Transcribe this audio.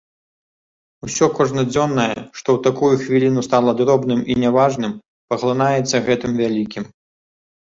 Усё кожнадзённае, што ў такую хвіліну стала дробным і не важным, паглынаецца гэтым вялікім.